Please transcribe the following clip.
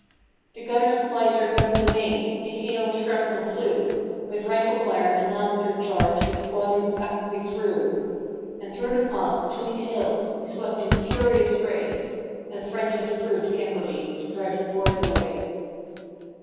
The gunners plied their guns amain; the hail of shrapnel flew; With rifle fire and lancer charge their squadrons back we threw; And through the pass between the hills we swept in furious fray, And French was through to Kimberley to drive the Boers away.